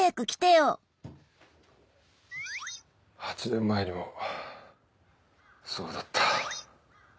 ８年前にもそうだった。